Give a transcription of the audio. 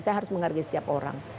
saya harus menghargai setiap orang